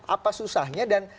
apa susahnya dan